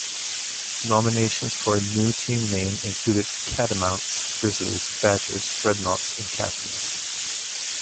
Nominations for a new team name included Catamounts, Grizzlies, Badgers, Dreadnaughts, and Captains.